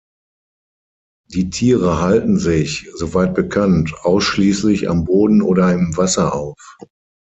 Die Tiere halten sich, soweit bekannt, ausschließlich am Boden oder im Wasser auf.